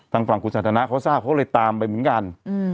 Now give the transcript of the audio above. ทางฝั่งคุณสันทนาเขาทราบเขาเลยตามไปเหมือนกัน